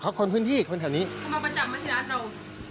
เพราะคนพื้นที่คนแถวนี้เขามาประจำมาที่ร้านเรา